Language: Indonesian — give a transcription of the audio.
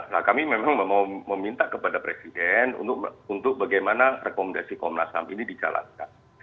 nah kami memang meminta kepada presiden untuk bagaimana rekomendasi komnas ham ini dijalankan